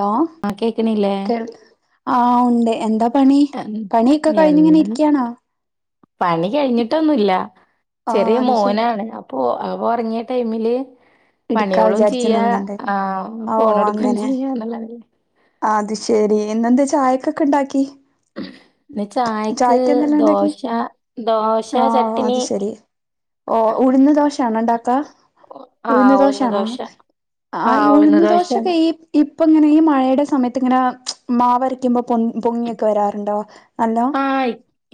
Hello ആഹ് കേക്ണില്ലേ? ആഹ് ഉണ്ട് എന്താ പണി എന് പണിയൊക്കെ കഴിഞ്ഞിങ്ങനെ എന്താ ഇരിക്കയാണോ? പണി കഴിഞ്ഞിട്ടൊന്നുല്ല ആ ചെറിയ അത് ശെരി മോനാണ് അ അപ്പോ അഹ് ഉറങ്ങിയ ടൈമില് ഇടുക്കാ പണീളും വിചാരിച്ച് ചെയ്യാ നിന്നുണ്ട് ഏഹ് ഓ ഫോണെടുക്കും അങ്ങനെ [unintelligible] അത് ശെരി ഇന്നെന്താ ചായക്കൊക്കെ ഇണ്ടാക്കി? ഇന്ന് ചായക്ക് എന്തെല്ലാം ഉണ്ടാക്കി ദോശ ദോശ ചട്ട്നി ഓഹ് ഉഴ്ന്ന് ദോശെണോ ഇണ്ടാക്ക അതെ ഉഴ്ന്ന് ആഹ് ദോശ ഉഴുന്ന് ആണോ ആഹ് ഈ ഉഴുന്ന് ഉഴന്ന് ദോശൊക്കെ ദോശയാണ് ഈ ഇപ്പങ്ങനെ ഈ മഴയുടെ സമയത്ത് ഇങ്ങനെ മാവരക്കുമ്പോ പൊങ്ങി പൊങ്ങിയൊക്കെ വരാറുണ്ടോ? ഹല്ലോ ആഹ്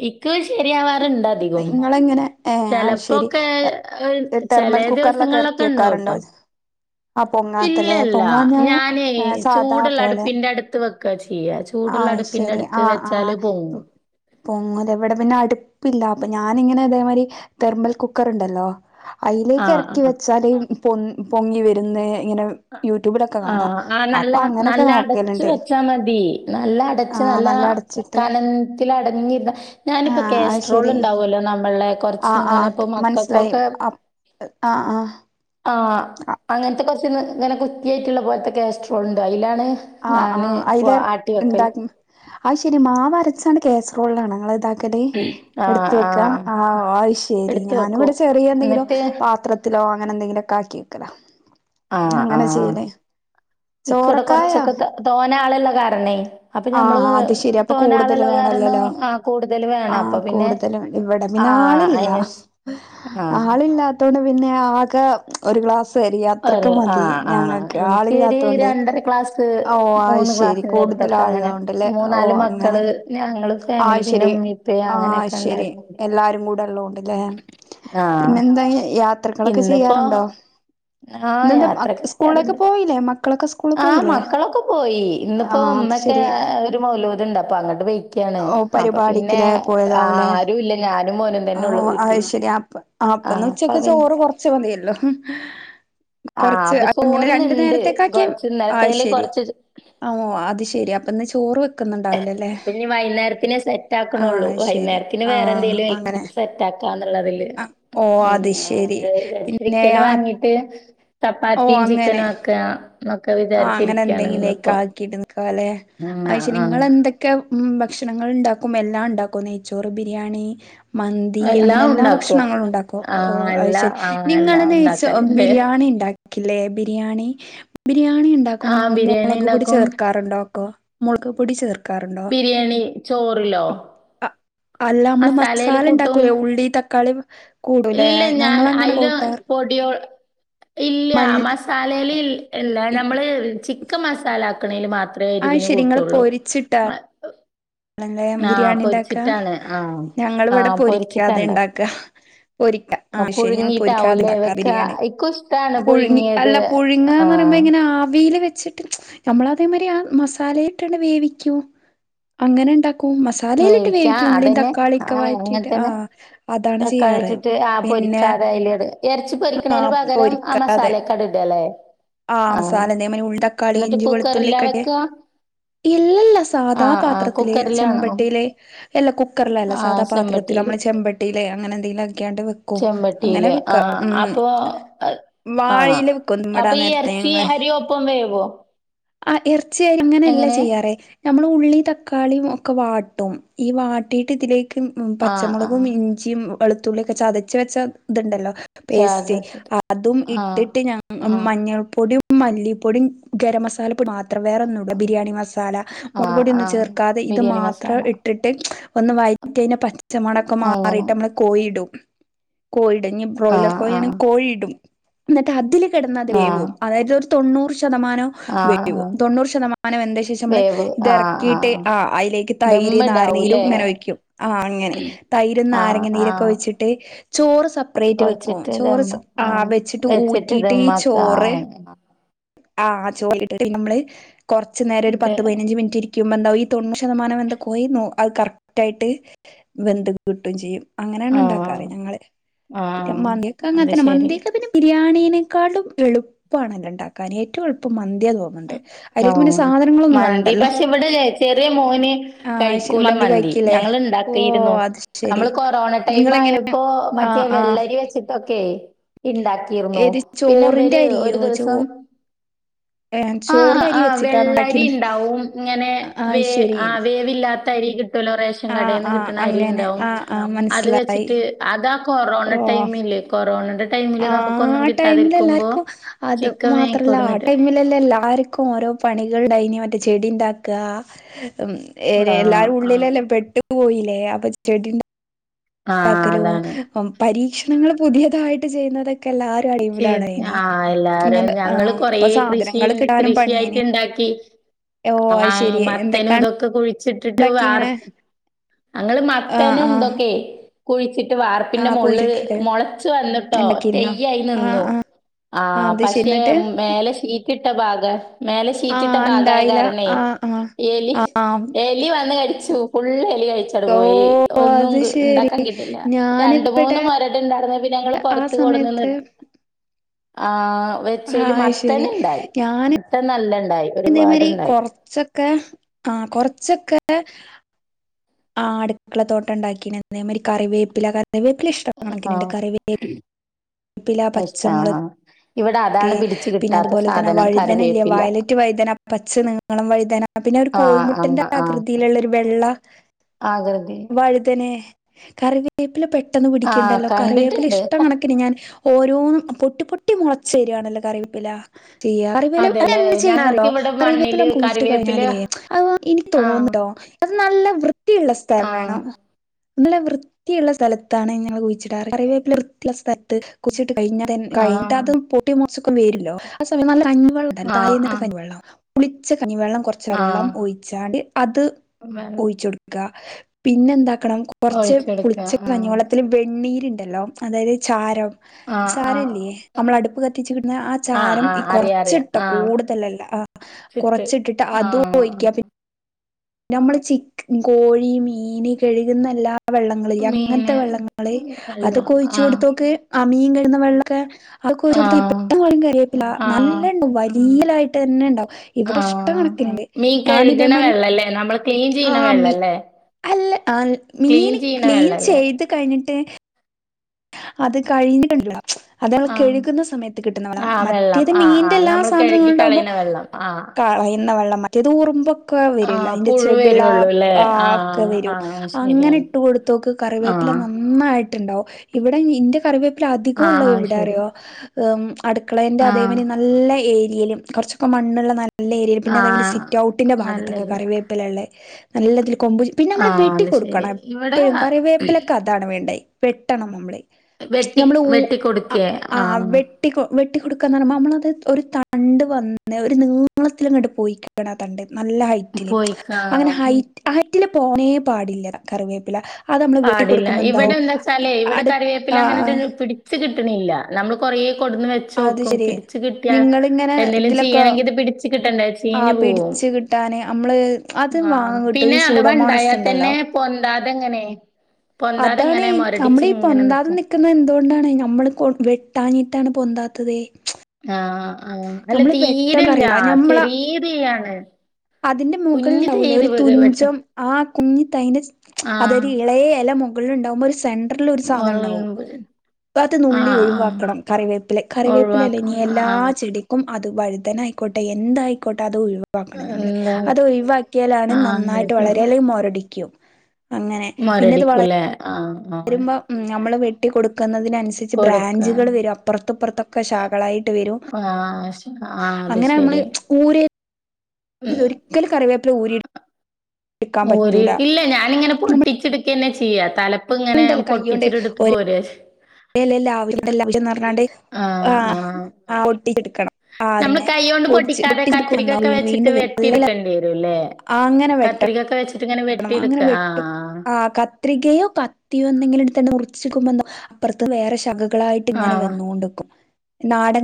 ഇക്ക് ശരിയാവാറുണ്ട് അധികം ഇങ്ങളെങ്ങനെ ഏഹ് ആഹ് ശെരി ചെലപ്പോക്കെ ഏഹ് തെർമൽ ചെലേ കുക്കറിലൊക്കെ ഇറക്കി ദിവസങ്ങളിലൊക്കെ വെക്കാറുണ്ടോ? ഇണ്ടാവുട്ടോ ആഹ് പൊങ്ങാത്തല്ലേ ഇല്ലല്ല. പൊങ്ങാഞാ സാദാ പോലെ ന്റെ അടുത്ത് വെക്ക ചെയ്യ ആ ചൂടുള്ള അടുപ്പിന്റെ അടുത്ത് വെച്ചാല് പൊങ്ങും പൊങ്ങുലെ ഇവിടെ പിന്നെ അടുപ്പില്ല അപ്പൊ ഞാനിങ്ങനെ ഇതേമാതിരി തെർമൽ കുക്കർ ഉണ്ടല്ലോ? ആ, അയ്ലേക്ക് ഇറക്കി ആ. വെച്ചാല് പൊ പൊങ്ങി വരുന്ന് ഇങ്ങനെ യൂട്യൂബിലൊക്കെ കാണാം ആഹ് ആഹ് നല്ല അപ്പൊ അങ്ങനൊക്കെ നല്ല അടച് നോക്കലുണ്ട് വെച്ചാ മതി നല്ല വെച്ച ആ നല്ല അടച്ചിട്ട് കനത്തിലടങ്ങിരിന്ന ആ ഞാനിപ്പോ കസ്ട്രോൾ ഉണ്ടാവുമല്ലോ നമ്മള്ടെ [unintelligible] ആഹ് ആഹ് മനസ്സിലായി അപ് ആഹ് ആഹ് ആഹ് അങ്ങനത്തെ കൊറച്ച് ഇങ്ങനെ കുറ്റിയായിട്ടുള്ള പോലത്തെ കാസ്റോളുണ്ട് അതിലാണ് ആഹ് ഞാന് ആഹ് ഇപ്പൊ ആട്ടി വെക്കല്. അയ്ല് ആഹ് ശെരി മാവരച്ചാണ് കേസറോളിലാണൊങ്ങള് ഇതക്ക് ക്കൽ ആ, എടുത്ത ആ. വെക്ക ആഹ് ശെരി എടുത്ത് വെക്കും. ഞാനവിടെ ചെറിയ എന്തെങ്കിലോ എന്നിട്ട് പാത്ര പാത്രത്തിലോ അങ്ങനെന്തെങ്കിലൊക്കെ ആക്കി വെക്കലാ ആ, അങ്ങനെ ആ. ചെയ്യല് ഇക്കിവിടെ ചോറക്കായോ? കൊറച്ചൊക്കെ തോ തോനെ ആള് ഇളള കാരണേ അപ്പൊ ഞമ്മള് ആഹ് അത് ശരി അപ്പൊ തോനെ കൂടുതൽ ആളുള്ള കാരണം വേണല്ലല്ലോ ആഹ് കൂടുതല് വേണം ആഹ് അപ്പൊ പിന്നെ [unintelligible] ഇവിടെ ആ പിന്നെ ആളില്ല അയിനനുസ ആ ആളില്ലാ ത്തോണ്ട് പിന്നെ ആക ഒരു ഗ്ലാസ് [unintelligible] അത്രക്ക്‌ ഒരു ആ മതി ആ ഞങ്ങക്ക് എനിക്കൊരു ആളില്ലാത്തോണ്ടേ രണ്ടര ക്ലാസ് ഓഹ് അയ് മൂന്ന് ശരി ക്ലാസ്സിന്റെ കൂടുതലാ അടുത്തൊക്കെ ആൾ അങ്ങനെ ഇള്ളോണ്ടല്ലേ മൂന്നാല് ഓഹ് അങ്ങനെ മക്കള് ഞങ്ങള് ആഹ് ഫാമിലി അയ് പിന്നെ ശെരി ഉമ്മേം ഉപ്പേം ആഹ് അയ് അങ്ങനെയൊക്കെ ശെരി എല്ലാരും എല്ലാരും കൂടെ ഇള്ളോണ്ട് ല്ലേ ആഹ് [unintelligible] യാത്രകളൊക്കെ ചെയ്യാറുണ്ടോ ആ ഇന്നെന്തേ മക്ക് യാത്രയൊക്കെ സ്കൂളിലൊക്കെ ചെയ്യാറുണ്ട്. പോയില്ലേ മ ക്കളൊക്ക സ് ആഹ് മക്കളൊക്കെ പോയി ഇന്നിപ്പോ ആഹ് അത് ഉമ്മക്കേ ശരി ഒരു മൗലൂദ് ഉണ്ട് അപ്പൊ അങ്ങട്ട് പോയി ക്കാണ് ഓ അപ്പൊ പിന്നെ പരിപാടിക്കില്ലേ പോയതാവുല്ലേ ആരും ഇല്ല ഞാനും മോനും തന്നെ ഉള്ളു വീട്ടില് ആഹ് അപ്പന്ന് അപ്പൊ ഉച്ചക്ക്‌ പിന്നെ ചോറ് കൊറച്ച് മതിയല്ലോ ആഹ് കൊറച്ച് അപ്പൊ അങ്ങനെ രണ്ട് ചോറ്ന്ന്ണ്ട്. നേരത്തേക്ക്‌ [unintelligible] കൊറച്ച് അയ് ഇന്നലത്തേല് ശരി കൊറച്ച് ആവോ അത് ശെരി അപ്പൊ ഇന്ന് ചോറ് വെക്കുന്നുണ്ടാവില്ല അല്ലേ വൈന്നേരത്തിനു സെ റ്റ് ആക്കണുള്ളൂ ശരി വൈകുന്നേരത്തിന് വേറെ ആഹ് എന്തേലും ആയിരിക്കും അങ്ങനെ സെറ്റാക്കാന്നുള്ള ഇതില് ഓഹ് ഉം അത് ശരി അങ്ങനെ വിചാരിച്ചു പിന്നെ ചിക്കന് ആ വാങ്ങീട്ട് ഓ ചപ്പാത്തിയും അങ്ങനെ ചിക്കനും ആക്കുകാ എന്നൊക്കെ വിചാരിച്ചിരിക്കാണ് ഇന്ന്പ്പോ [unintelligible] അയ്ശ് നിങ്ങള് എന്തെ ക്കെ ഉം ഭക്ഷണങ്ങൾ ഇണ്ടാക്കും എല്ലാം ഇണ്ടാക്കോ നെയ്ച്ചോറ് ബിരിയാണി മന്തി അങ്ങനെ എല്ലാം എല്ലാ ഉണ്ടാക്കും ഭക്ഷണങ്ങളും ഉണ്ടാക്കോ ആഹ് ഓഹ് അത് എല്ലാ ശരി ആഹ് നിങ്ങള് എല്ലാം നെയ് ചോ ഉണ്ടാക്കല്ണ്ട് ബിരിയാണി ഇണ്ടാ ക്കില്ലേ ബിരിയാണി ബിരിയാണി ഉണ്ടാക്കുമ്പോ ആഹ് നിങ്ങള് ബിരിയാണി മൊളക് പൊടി ഇണ്ടാക്കും ചേർക്കാറുണ്ടോ [unintelligible] മൊളക് പൊടി ചേർ ബിരിയാണി ചോറിലോ അഹ് അല്ല അമ്മള് മസാലേല് മസാല കൂട്ടും ഇണ്ടാക്കൂലേ ഉള്ളി തക്കാളി കൂടൂലേ ഇല്ല ഞാൻ ഞങ്ങളങ്ങനെ അയില് കൂട്ടാറ് പൊടിയോ ഇല്ല മല്ലി മസ് സാലേല് ഇൽ ഇല്ല ഞമ്മള് ചിക്കൻ മസാല ആക്കണേല് മാത്രേ അത് എരിവിന് ശരി നിങ്ങള് കൂട്ടൂള്ളു പൊരിച്ചിട്ടാ [unintelligible] ആഹ് ബിരിയാണി ഇണ്ടാക്കാ പൊരിച്ചിട്ടാണ് ആഹ് ഞങ്ങള് ഇവിടെ ആഹ് പൊരിച്ചിട്ടാ പൊരിക്കാതെ ഇണ്ടാക്ക ഇണ്ടാക്കാ പൊരിക്ക ആഹ് അത് ശരി ഞങ്ങള് പൊരിക്കാതെ പുഴുങ്ങിട്ടാവൂല്ലേ ഇണ്ടാക്കാ വെക്കാ ബിരിയാണി ഇക്കും ഇഷ്ടാണ് പുഴുങ്ങി പുഴുങ്ങിയത് അല്ല പുഴുങ്ങാന്ന് പറയുമ്പോ ആഹ് എങ്ങനാ ആവിയില് വെച്ചി നമ്മള് അതേ മാരി ആ മസാലയിട്ടണ്ട് വേവിക്കും അങ്ങനെ ഇണ്ടാക്കും മസ സാലയിലിട്ട് വേവിക്കാ വേവിക്കും ഉള്ളീം അതന്നെ തക്കാളീക്ക ആഹ് വയറ്റീട്ട് ആഹ് അതാണ് ചെയ്യാറ് [unintelligible] ആഹ് പിന്നെ പൊരിക്കാതെ അയിലിട് എറച്ചി ആ പൊരിക്കണേന് പകരം ആ മസാലയൊക്കെ അവ്ട ഇടുവല്ലേ ആഹ് മസാല ഇതേ മാരി ഉള്ളി തക്കാളി ഇഞ്ചി വെളുത്തുള്ളി കുക്കറിലാ ഒക്കെ ഇട്ട് വെക്ക ഇല്ലില്ല ആ സാധാ ആ പാത്രത്തില് കുക്കറിലാണോ ചെമ്പട്ടീല് അല്ല കുക്കറിലല്ല ആ സാധാപാത്രത്തില് ചെമ്പട്ടിയില് അമ്മള് ചെമ്പട്ടിയിലെ അങ്ങനെ എന്തെങ്കിലും ഒക്കെയാണ്ട് വെക്കും അങ്ങനെ ചെമ്പട്ടിയില് ആ വെക്കാം അപ്പൊ ഉം ആ വാഴയില വെക്കും അപ്പൊ ദമ്മിടാൻ ഈ നേരത്തെ എറച്ചി ഞങ്ങള് അരി ഒപ്പം വേവോ ആഹ് എറച്ചിയാര് അങ്ങനെയല്ല എങ്ങനെ ചെയ്യാറേ നമ്മള് ഉള്ളി ത ക്കാളിയും ഒക്കെ വാട്ടും ഈ വാട്ടിയിട്ട് ഇതിലേക്ക് ആ ആ പച്ചമുളകും ഇ ഞ്ചിം വെളുത്തുള്ളിയൊക്കെ ചതച്ച് വെച്ച ഇതുണ്ടല്ലോ ചാറില് പേസ്റ്റ് വെച്ചിട്ട് അതും ആ ഇട്ടിട്ട് ഞ ആ മഞ്ഞൾ പ്പൊടിയും മല്ലിപ്പൊടിയും ഗരം മസാലപ്പൊടി മാത്രം വേറെ ഒന്നും ഇടൂല ബിരിയാണി മസാല ആ മുളക് പൊടി ഒന്നു ആ ചേർ ക്കാതെ ഇത് ബിരിയാണി മാത്രം മസാല ഇട്ടിട്ട് ഒന്ന് വയറ്റി അതിന്റെ പച്ച മണൊക്ക അങ്ങനെ മാറീട്ട് അമ്മള് കോയിടും കോയിടും ഇനി ആ ബ്രോയിലർ കോഴി ആ ആണേ കോഴിയിടും എന്നിട്ട് അതില് കെടന്നാ അത് ആ വേവും ആ അതായത് ഒരു തൊണ്ണൂറ് ശതമാനം ആ വേവും തൊണ്ണൂറ് ശതമാനം വെന്ത ശേഷം അമ്മള് വേവ് ഇത് ആ ആ എറക്കീട്ട് ആ ആഹ് അയിലേക്ക് തൈര് നാരങ്ങ നീരും ദമ്മിടാവൂല്ലേ? ഇങ്ങനെ ഒഴിക്കും ആഹ് അങ്ങനെ തൈരും ആഹ് നാരങ്ങ നീരൊക്കെ ആഹ് ഒഴിച്ചിട്ട് ചോറ് സപ്പറേറ്റ് വെക്കും കൊഴച്ചിട്ട് ചോറ് സ് ദമ്മ് ആഹ് വെച്ചിട്ട് ഊറ്റിട്ട് ഈ ദമ്മാക്ക ചോറ് ആഹ് ആഹ് ചോറ്ല് ഇട്ടിട്ട് നമ്മള് കൊറച്ചു നേര ഒരു ഇത് പത്ത് പയ്നഞ്ച് മിനിറ്റ് ഇരി ക്കുമ്പെന്താവും ഈ തൊണ്ണൂറു ശതമാനം വെന്ത കോഴി അത് കറക്റ്റ് ആയിട്ട് വെന്ത് കിട്ടും ചെയ്യും. അങ്ങനെയാണ് ഉണ്ടാക്കാറ് ആഹ് ഞങ്ങള്. പിന്നെ ആഹ് മന്തിയൊക്കെ അത് അങ്ങനതന്നെ. ശരി മന്തിയൊക്കെ പിന്നെ ബിരിയാണീനേക്കാൾലും എളുപ്പാണല്ലോ ണ്ടാക്കാന്. ഏറ്റവും എളുപ്പം മന്ത്യാ തോ ആഹ് മന്തി പക്ഷെ ഇവടെ ചെറിയ മോന് ആഹ് കഴി അത് ശരി കൂല മന്തി. കഴിക്കില്ലേ ഞങ്ങള് ഓ ഉണ്ടാക്കിയിരുന്നു. അത് ശരി നമ്മള് കൊറോണ ടൈം നിങ്ങളെങ്ങനെ ആയപ്പോ മറ്റേ ആഹ് ആഹ് വെള്ളരി വെച്ച് ട്ടൊക്കെ ഇണ്ടാക്കിർന്നു. ഏത് പിന്നെ ചോറിന്റെ ഇവര് ഒരു അരിയോ ചോ ദിവസം ഏഹ് ആഹ് ചോറിന്റെ അരി ആഹ് വെച്ചിട്ടാണോ വെള്ളരി ഉണ്ടാക്കിയിരുന്നത് ഇണ്ടാവും ഇങ്ങനെ അത് വേ ശരി ആഹ് വേവില്ലാത്ത അരി കി ട്ടോല്ലോ റേഷൻ ആഹ് കടേന്ന് ആഹ് കിട്ട്ണ അരി അങ്ങനെ ണ്ടാവും. ആഹ് ആഹ് അത് മനസ്സിലായി വെച്ചിട്ട് അതാ കൊറോണ ഓ ടൈമില്. കൊറോണന്റെ ആ ടൈമില് നമുക്കൊന്നും ടൈമില് കിട്ടാതിരിക്കുമ്പോ എല്ലാർക്കും ചിക്കൻ വേങ്ങിക്കൊട്ന്നിട്ട് എല്ലല്ലാര്ക്കും ഓരോ പണികൾ ഇണ്ടായ്നി മറ്റേ ചെടി ഇണ്ടാക്കാ. ഏ ആ രേ എല്ലാരും ആ ഉള്ളിലെല്ലം പെട്ടു പോയില്ലേ അപ്പ ചെടി ആ ണ്ടാക്കലു അതാണ്. പ്പം പരീക്ഷണങ്ങൾ പുതിയതായിട്ട് ചെയ്യുന്നത് ഒക്കെ എല്ലാ ചേർ ആഹ് എല്ലാരും ആ ഞങ്ങള് കൊറേ അപ്പൊ കൃഷി സാധനങ്ങള് കിട്ടാനും കൃഷിയായിട്ട് പണിയേനി ണ്ടാക്കി. ഓ അത് ആഹ് ശെരി മത്തനും എന്തൊക്കാണ് ഇതൊ ക്കെ കുഴിച്ചിട്ടിട്ട് ഇണ്ടാക്കി വാർ, ഇങ്ങനെ അങ്ങള് ആ മത്തനും ആ ഇതൊക്കെ കുഴിച്ചിട്ട് ആ വാർപ്പിന്റെ മോൾള് കുഴിച്ചിട്ടിട്ട് മൊളച്ച് വന്ന്ട്ടോ. ഇണ്ടാക്കിരുന്നോ തെയ് യ്യായി ആ നിന്നു. ആ ആ ആഹ് അത് ശരി പക്ഷെ എന്നിട്ട് മേലെ ഷീറ്റ് ഇട്ട ഭാഗ മേലെ ആ ഷീറ്റിട്ട ഭാഗായ ഇണ്ടായില്ല കാരണേ ആ ഏലി ആ ആ ഏ ലി വന്ന് കടിച്ചു ഫുള്ള് എലി കഴി ച്ചാണ്ട് ഓ പോയി. ഒന്നും അത് ക് ശരി ഇണ്ടാക്കാൻ കിട്ടില്ല. രണ്ട് മൂന്ന് ഞാനിവിടെ മൊരട് ഇണ്ടാർന്നത് പിന്നങ്ങള് പൊറ ആ ത്ത് കൊട്ന്ന് സമയത്ത് നെൽ ആ ആ വെച്ചയില് ശരി മത്തന് ണ്ടായി. മത്തൻ നല്ലണ്ടായി. ഇതേമാരി ഒരുപാട്ണ്ടായി. കൊറച്ച് ഒക്കെ ആഹ് കൊറച്ച് ഒക്കെ ആഹ് അടുക്കള തോട്ടണ്ടാക്കിനി. തേ മാതിരി കറിവേപ്പില, കറിവേപ്പില ഇഷ് ട്ട കണക്കിന് ണ്ട്. ആഹ് കറിവേ പ്പില പച്ച ഇഷ്ടാ. മൊളക് ആഹ്. ഇവടെ അതാണ് പിടിച്ച് പിന്നെ കിട്ടാത്ത അതുപോലെ തന്നെ സാധനം വഴുതന ഇല്ലേ കറിവേപ്പില. വയലറ്റ് വഴുതന പച്ച നീളം വഴുതന പിന്നെ ഒരു കോഴി ആഹ് ആഹ് മുട്ടന്റെ ആഹ് ആകൃതിയില്ള്ള ഒരു വെള്ള ആകൃതി വഴുതനെ. കറിവേപ്പില പെട്ടെന്ന് ആഹ് പിടിക്ക്ണ്ടല്ലോ. കറിവേപ്പില കണ്ടിട്ടുണ്ട് ഇഷ്ടം ക കണക്കിന് ഞാൻ ഓരോന്നും പൊട്ടി പൊട്ടി മുളച്ച് വരാണല്ലോ കറിവേപ്പില ചെയ്യ. കറിവേലം അതെല്ലേ അയ്നെന്ത് ചെയ്യണറിയോ ഞങ്ങക്ക് ഇവിടെ കറിവേപ്പില മണ്ണില് കുഴിച്ചിട്ട് കറിവേപ്പില കഴിഞ്ഞാലേ അധവ ഇനി ആഹ് തോന്നുട്ടോ അത് നല്ല വൃത്തിയുള്ള സ്ഥലം ആഹ് വേണോന്ന്. നല്ല വൃ ത്തിയുള്ള സ്ഥലത്താണ് ഞങ്ങള് കുഴിച്ച്ടാറ്. കറിവേപ്പില വൃത്തിയുള്ള സ്ഥലത്ത് കുഴിച്ചിട്ട് കഴിഞ്ഞാ തെൻ കഴിഞ്ഞിട്ട് ആഹ് അതും പൊട്ടി മൊളച്ചൊക്കെ വെര്വല്ലോ ആസമയം നല്ല കഞ്ഞി വെള്ളം ഉണ്ടല്ലോ ആഹ് തലേന്നത്തെ ആഹ് കഞ്ഞിവെള്ളം പുളിച്ച കഞ്ഞിവെള്ളം കൊറച്ച് വെള്ളം ആഹ് ഒഴിച്ചാണ്ട് അത് ഒഴിച്ച് കൊട് ക്കാ. പിന്നെ എന്താക്കണം കൊറച്ച് ഒഴിച്ചെടുക്ക പുളിച്ച കഞ്ഞി ആഹ് വെള്ളത്തില് വെണ്ണീര്ണ്ടല്ലോ അതായത് ചാരം ആഹ് ചാരം ആഹ് ഇല്ലേ നമ്മള് അടുപ്പ് കത്തിച്ച് കിട്ട്ണെ. ആ ആഹ് ചാരം ഈ ആഹ് അറിയാ അറിയാ കൊറച്ചിട്ടോ ആഹ് കൂടുതലല്ല ആഹ് ചുറ്റ് കൊറച്ചിട്ടിട്ട് അതും ആഹ് ഒഴിക്കാ. പി ന്നമ്മള് ചിക് കോഴി, മീന്, കഴുകുന്നെല്ലാ വെള്ളങ്ങള് ല്ലേ അങ്ങനത്തെ മീന് വെള്ളങ്ങള്. വെള്ളം അതൊക്കെ ഒഴിച്ചു ആഹ് കൊടുത്തോക്ക്. ആഹ് മീൻ കഴുക്ന്ന വെള്ളൊക്കെ. അതൊക്കെ ഒഴിച്ചൊട്ത്താ ആഹ് പെട്ടന്ന് വളരും കരിവേപ്പില. ആഹ് നല്ലണ്ടാവും. [unintelligible] നീലായിട്ടെന്നെ ണ്ടാവും. ഇവിടെ ആഹ് ഇഷ്ടകണക്കിന് ണ്ട്. ഞാൻ ഇതേമാരി എലാ മ്മള് ആഹ് മി അല്ല അഹ് ക്ലീൻ മീന് ചെയ്യണ ക്ലീൻ വെള്ളല്ലേ ചെയ്ത് കഴിഞ്ഞിട്ട് അത് കഴിഞ്ഞിട്ട് [unintelligible] അത് അവൾ ആഹ് കഴുകുന്ന സമയത്ത് കിട്ടുന്നവള ആ വെള്ളം. മറ്റേത് ആ, ആ. മീനിന്റെ എല്ലാ നമ്മള് സാധനങ്ങള കഴുകി ഉണ്ടാകുമ്പോ കളയുന്ന വെള്ളം. ആ. കളയുന്ന വെള്ളം മറ്റേത് ഉറുമ്പ് കോഴ ആ വെരൂല്ല അതിന്റെ പുഴു ചെകിള വരുവൊള്ളൂല്ലേ? ആ ഒക്കെ ആ വരും അങ്ങനെ ശരിയാണ്. ഇട്ട് കൊടുത്തോക്ക് ആ. കറിവേപ്പില ന നന്നായിട്ടുണ്ടാവും ഇവിടെ ഇന്റെ കറിവേപ്പില അധികം ആ ഉള്ള എവിടെ ശരി. അറിയോ അടുക്കളയിൻ്റെ ആ. അതേമാതിരി നല്ല ഏരിയയിലും കുകൊറച്ച് ഒക്കെ മണ്ണുള്ള നല്ല നല്ല ഏരിയൽ പിന്നെ ആ അതായ സിറ്റ് ഔട്ടിന്റെ ഭാഗത്തൊക്കെ നല്ലൊരു കറിവേപ്പല ഉള്ളെ നല്ലതിൽ കൊമ്പ് പിന്നെ ആ നമ്മള് വെട്ടി അത് ശരി. കൊടുക്കണം ഇവിടെ എപ്പഴും കറിവേപ്പിലൊക്കെ അതാണ് വേണ്ടത് വെട്ടണം നമ്മള് വെട്ടി നമ്മള് ഉ വെട്ടിക്കൊടുക്കേ? അ ആ. അവി വെട്ടി വെട്ടിക്കൊടുക്കാന്ന് പറയുമ്പോൾ നമ്മളത് ഒരു തണ്ട് വന്ന് ഒരു നീളത്തിലങ്ങട്ട് പോയി ത്തണ്ട് നല്ല ഹൈറ്റില് പോയിക്കാ അങ്ങനെ ഹൈറ്റ് ഹൈറ്റില് പോണേ പാടില്ല കറിവേപ്പില അത് നമ്മള് വെട്ടി പാടില്ല. കൊടുക്കുമ്പോ എന്താവു ഇവിടെന്താച്ചാലേ ഇവിടെ കറിവേപ്പില അങ്ങനെ പിടിച്ച് കിട്ടണില്ല നമ്മള് കുറേ കൊടുന്ന് വെ ആ അത് ചോക്കും ശരി പിടിച്ച കിട്ടിയ നിങ്ങളിങ്ങനെ എന്തേലും ഇതിലൊക്കെ ചെയ്യണെങ്കി ഇത് പിടിച്ച കിട്ടണ്ടെ ആ ചീഞ്ഞ് പോകും പിടിച്ച് കിട്ടാന് നമ്മള് അത് ആ വാങ്ങാൻ കിട്ടും ഈ പിന്നെ സൂഡോമോണസ് അഥവാണ്ടായാൽ ഉണ്ടല്ലോ തന്നെ പൊന്താതെങ്ങനെ പൊന്താതെങ്ങനെ മൊരടിച്ചിങ്ങനെ നിക്കും അപ്പ എന്തോണ്ടാണ് നമ്മള് കൊ വെട്ടാഞ്ഞിട്ടാണ് പൊന്താത്തത് ആ ആ അല്ല നമ്മള് വെട്ടണം തീരില്ല കറിയില്ല ഞമ്മള ചെറിയ തൈയാണ് അതിന്റെ മുകളിണ്ടാവൂലെ ഒരു തുഞ്ചം ആ കുഞ്ഞി തൈന്റെ ആഹ് അതൊരു ഇളയ ഇല മു മുകളിലുണ്ടാവുമ്പോ ഒരു സെന്ററിൽ ഒരു സാധനുണ്ടാവും മൊളകുമ്പ് ഇപ്പത് നുള്ളി ആഹ് ആഹ് ഒഴിവാക്കണം കറിവേപ്പില കറിവേപ്പില ഇല ഒഴിവാക്കണം എല്ലാ ആഹ് ചെടിക്കും അത് വഴുതനായിക്കോട്ടെ എന്തായിക്കോട്ടെ അത് ഒഴി എന്താ അത് ഒഴിവാക്കിയാലാണ് ആഹ് അത് നന്നായിട്ട് വളരാ അല്ലെങ്കി മൊരടിക്കും മരടിക്കൂലേ ആ വരുമ്പോ നമ്മള് വെട്ടി കൊടുക്കുന്നതിനനുസരി എന്നിട്ട് കൊടുക്ക ബ്രാഞ്ചുകൾ വരും അപ്പുറത്തപ്പുറത്തൊക്കെ ശാഖകളായിട്ട് വരും ആഹ് ശ ആഹ് അത് അങ്ങനെ നമ്മള് ശരി. പൂരേ ഉം ഇതൊരിക്കലും കറിവേപ്പില ഊരി എടുക്കാൻ പറ്റൂല ഊരിക്കില്ല ഞാനിങ്ങനെ പൊട്ടിച്ചെടുക്കെന്നെ ചെയ്യ തല പ്പ ഇങ്ങനെ പൊട്ടിച്ചിടുത്ത് പോരെ ല്ലല്ല ആവശ്യം പറഞ്ഞാണ്ട് ആഹ് ആഹ് ആഹ് പൊട്ടിച്ചെടുക്കണം നമ്മള് ആട്ന്ന് കൈകൊണ്ട് പൊട്ടിക്കാതെ പൊട്ടിച്ചെടുക്കുമ്പോ കത്രികയൊക്കെ വെച്ചിട്ട് വീണ്ടും വരും ആ അങ്ങനെ വെട്ട മുരിങ്ങക്കായ വെച്ച്ട്ട്ങ്ങനെ വെ വേണം അങ്ങനെ വെട്ടും ആ ക കത്രികയോ കത്തിയോ എന്തെങ്കിലെടുത്ത് തന്നെ മുറിച്ചിക്കുമ്പോെ അപ്പുറത്ത് വേറെ ശ മക്കളായിട്ട് ഇങ്ങെനെ ആഹ് വന്നോണ്ട്ക്കും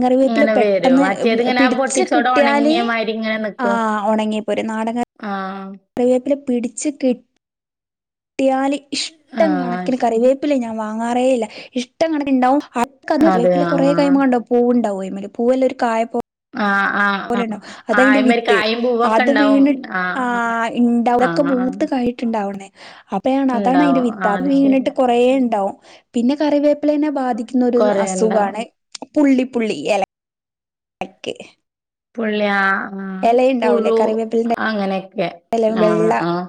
കറിവേപ്പില് ഇങ്ങനെ വരും പെട്ടെന്ന് മറ്റേതിങ്ങനെ ആ പൊട്ടിച്ചോടെ പിടിച്ച്കിട്ടിയാല് ഒണങ്ങിയ മാതിരി ഇങ്ങനെ ആ നിക്കും. ഉണങ്ങിപ്പോരും നാട ആഹ് കറിവേപ്പില് പിടിച്ച കിട്ടിയാല് ഇഷ്ടം ആഹ് കണക്കിന് ശരി കറിവേപ്പില വാങ്ങാറേല്ല ഇഷ്ടങ്ങനക്കിനുണ്ടാവും ആ അതെ കറിവേപ്പില കുറേ ആഹ് കയ്യുമ്പോ കണ്ടാവും പൂവുണ്ടാവു അയിമ്മല് പൂവല്ല ഒരു കായ ആ ആഹ് ആഹ് ആഹ് അതതിന്റെ അയിമ്മേല് വിത്ത് കായും പൂവൊക്കെ അത് ഇണ്ടാവും വീണ് ആ ആഹ് ഇണ്ടാവ അതൊക്കെ ആഹ് ആഹ് മൂത്ത് കഴിഞ്ഞിട്ടുണ്ടാവുന്നേ അതാണ് അതാണ് അതിന്റെ ഇണ്ടാവും വിത്ത് ആഹ് അത് വീണിട്ട് ശരിയാ കൊറേ ഉണ്ടാവും പിന്നെ കറിവേപ്പിലന്നെ ബാധിക്കുന്നൊരു കൊറേ ഇണ്ടാവും അസുഖാണെ പുള്ളിപ്പുള്ളി എല ക്കെ പുള്ളിയ ആ പുഴു കറിവേപ്പിലിന്റെ അങ്ങനെയൊക്കെ എല ആ വെള്ള ആഹ്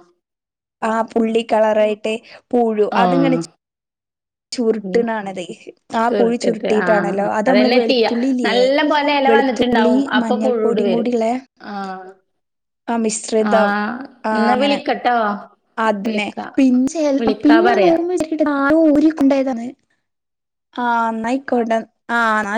ആ പുള്ളി കളറായിട്ട് പൂഴു അത്ങ്ങനെ ആഹ് ഉം. ചുരുട്ടണാണത് ആ പുഴു ചുരുട്ടിട്ട് ആഹ് ചുരുട്ടിയിട്ടാണല്ലോ ആഹ്. അത് നമ്മള് അതന്നെ ചെയ്യാ. വെളുത്തുള്ളില്ലയേ നല്ല പോലെ എല വെളു ത്തുള്ളി വന്നിട്ടുണ്ടാവും. അപ്പൊ മഞ്ഞൾ പുഴുട് പൊടിയും വരും. കൂടിയില്ലേ ആഹ്. ആ മിശ്രിതം ആഹ്. ആ ന്നാ അങ്ങനെ വിളിക്കട്ടോ. അതിനെ വിളിക്കാ. പിൻചെയ് വിളിക്കാ പിന്നെ പറയാ. നോർമ്മലി വി- [unintelligible] ഊരികൊണ്ടായതാണ് ആ ന്നായിക്കോട്ടെ ആ